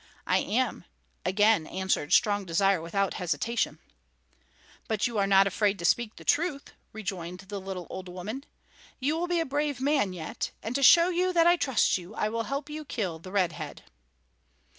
"I am," again answered Strong Desire without hesitation. "But you are not afraid to speak the truth," rejoined the little old woman. "You will be a brave man yet, and to show you that I trust you I will help you kill the Red Head."